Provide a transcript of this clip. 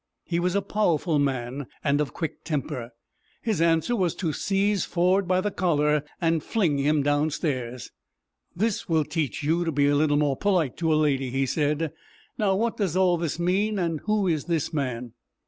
He was a powerful man, and of quick temper. His answer was to seize Ford by the collar and fling him downstairs. "This will teach you to be more polite to a lady," he said. "Now, what does all this mean, and who is this man?"